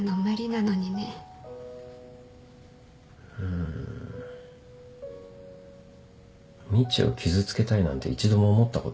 みちを傷つけたいなんて一度も思ったことなかった。